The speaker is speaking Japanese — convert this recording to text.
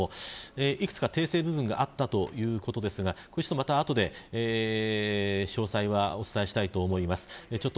いくつか訂正部分があったということですが詳細は後ほどお伝えしたいと思います。